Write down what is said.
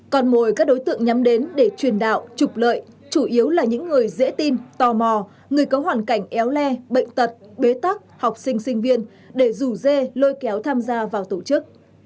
còn mồi các đối tượng nhắm đến để truyền đạo trục lợi chủ yếu là những người dễ tin tò mò người có hoàn cảnh éo le bệnh tật bế tắc học sinh sinh viên để rủ dê lôi kéo tham gia vào tổ chức